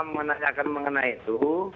menanyakan mengenai itu